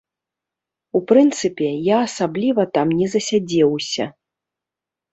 У прынцыпе, я асабліва там не засядзеўся.